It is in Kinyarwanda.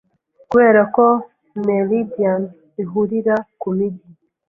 Kuberako meridian ihurira kumijyi